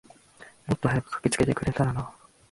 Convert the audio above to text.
もっと早く駆けつけてくれたらな。